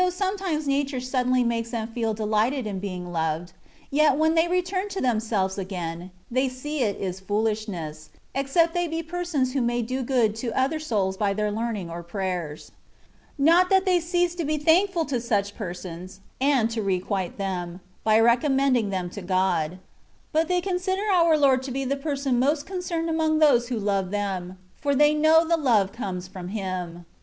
81 sometimes nature suddenly makes them feel de lighted in being loved, yet when they return to themselves again, they see it is foolishness, except they be persons who may do good to their soids by their learning or prayers. Not that they cease to be thankful to such persons, and to requite them, by recommending them to God : but they consider our Lord to be the Person most con cerned among those who love them, for they know the love comes from Him.